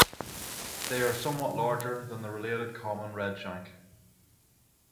They are somewhat larger than the related common redshank.